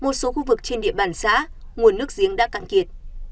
một số khu vực trên địa bàn xã nguồn nước giếng đã cạn kiệt